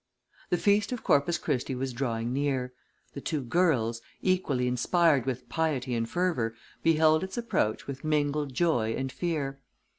The feast of Corpus Christi was drawing near; the two girls, equally inspired with piety and fervour, beheld its approach with mingled joy and fear.